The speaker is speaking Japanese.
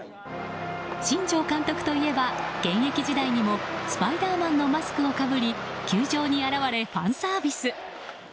新庄監督といえば現役時代にもスパイダーマンのマスクをかぶり球場に現れ、ファンサービス。